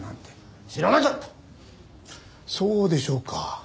そうでしょうか？